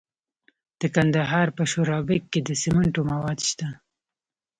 د کندهار په شورابک کې د سمنټو مواد شته.